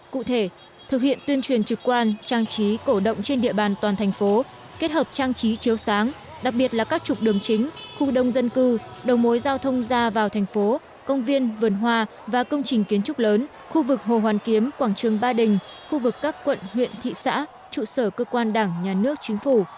cụ thể thực hiện tuyên truyền trực quan trang trí cổ động trên địa bàn toàn thành phố kết hợp trang trí chiếu sáng đặc biệt là các trục đường chính khu đông dân cư đầu mối giao thông ra vào thành phố công viên vườn hoa và công trình kiến trúc lớn khu vực hồ hoàn kiếm quảng trường ba đình khu vực các quận huyện thị xã trụ sở cơ quan đảng nhà nước chính phủ